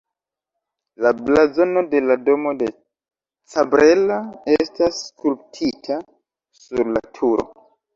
La blazono de la Domo de Cabrera estas skulptita sur la turo.